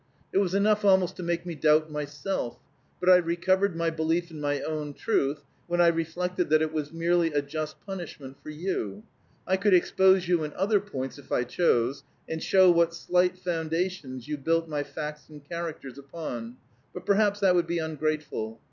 "It was enough almost to make me doubt myself, but I recovered my belief in my own truth when I reflected that it was merely a just punishment for you. I could expose you in other points, if I chose, and show what slight foundations you built my facts and characters upon; but perhaps that would be ungrateful.